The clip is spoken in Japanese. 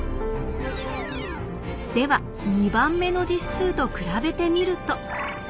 では２番目の実数と比べてみると。